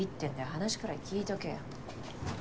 話くらい聞いとけよ。